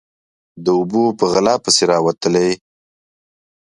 _د اوبو په غلا پسې راوتلی.